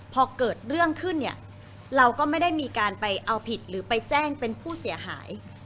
พอเกิดเรื่องขึ้นเนี่ยเราก็ไม่ได้มีการไปเอาผิดหรือไปแจ้งเป็นผู้เสียหาย